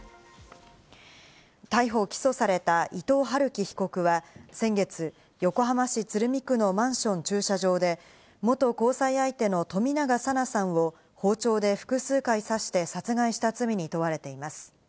逮捕・起訴された伊藤龍稀被告は先月、横浜市鶴見区のマンション駐車場で、元交際相手の冨永紗菜さんを包丁で複数回刺して殺害した罪に問われています。